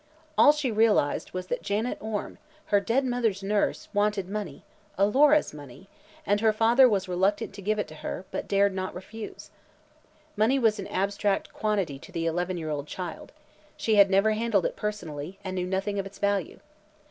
All she realized was that Janet Orme, her dead mother's nurse, wanted money Alora's money and her father was reluctant to give it to her but dared not refuse. Money was an abstract quantity to the eleven year old child; she had never handled it personally and knew nothing of its value.